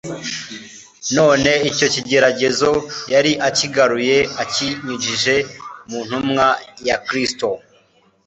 None icyo kigeragezo yari akigaruye akinyujije mu ntumwa ya Kristo.